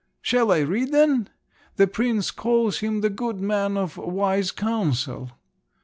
"Shall I read them? The prince calls him the good man of wise counsel."